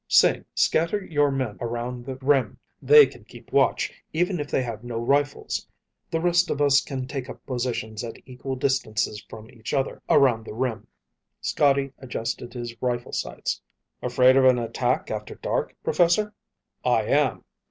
Sing, scatter your men around the rim. They can keep watch, even if they have no rifles. The rest of us can take up positions at equal distances from each other around the rim." Scotty adjusted his rifle sights. "Afraid of an attack after dark, professor?" "I am.